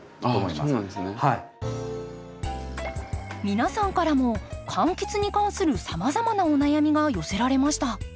皆さんからも柑橘に関するさまざまなお悩みが寄せられました。